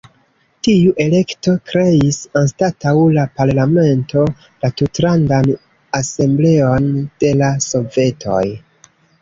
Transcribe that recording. Tiu elekto kreis anstataŭ la parlamento la Tutlandan Asembleon de la Sovetoj.